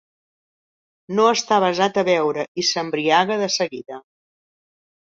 No està avesat a beure i s'embriaga de seguida.